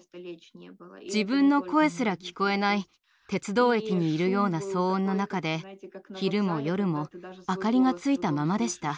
自分の声すら聞こえない鉄道駅にいるような騒音の中で昼も夜も明かりがついたままでした。